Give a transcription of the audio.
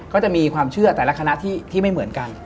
ก็จะมีความเชื่อแต่ละคณะที่ไม่เหมือนกัน